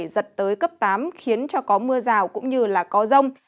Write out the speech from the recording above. giật tới cấp tám khiến cho có mưa rào cũng như là có rông